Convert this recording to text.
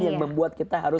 yang membuat kita harus